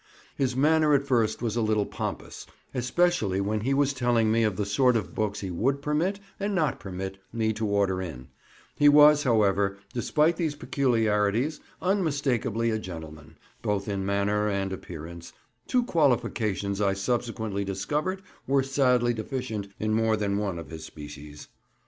His manner at first was a little pompous, especially when he was telling me of the sort of books he would permit and not permit me to order in; he was, however, despite these peculiarities, unmistakably a gentleman, both in manner and appearance—two qualifications I subsequently discovered were sadly deficient in more than one of his species.